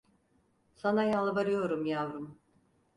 Sana yalvarıyorum yavrum…